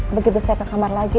begitu saya ke kamar lagi